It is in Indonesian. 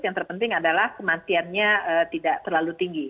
yang terpenting adalah kematiannya tidak terlalu tinggi